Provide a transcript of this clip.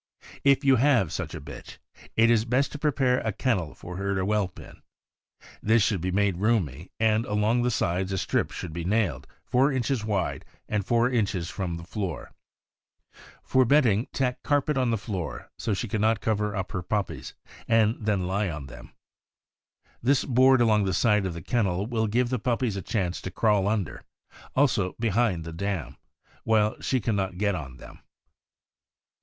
If you have such a bitch, it is best to prepare a kennel for her to whelp in. This should be made roomy, and along the sides a strip should be nailed, four inches wide, and four inches from the floor. For bedding, tack carpet on the floor, so she can not cover up her puppies and then lie on them. This board along the side of the kennel will give the puppies a chance to crawl under; also behind the dam, while she can not get on them.